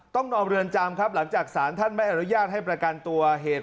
นองเรือนจำครับหลังจากสารท่านไม่อนุญาตให้ประกันตัวเหตุ